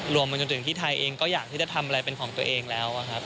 มาจนถึงที่ไทยเองก็อยากที่จะทำอะไรเป็นของตัวเองแล้วครับ